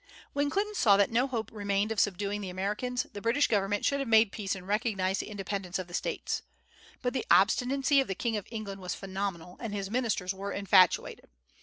When Clinton saw that no hope remained of subduing the Americans, the British government should have made peace and recognized the independence of the States. But the obstinacy of the king of England was phenomenal, and his ministers were infatuated.